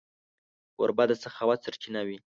کوربه د سخاوت سرچینه وي.